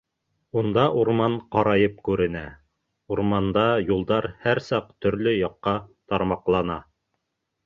Унда урман ҡарайып күренә, урманда юлдар һәр саҡ төрлө яҡҡа тармаҡлана.